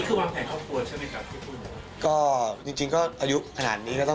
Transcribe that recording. อันนี้คือวางแผนความควรใช่ไหมครับที่คุณบอก